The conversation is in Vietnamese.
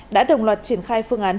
đã đồng loạt triển khai phương án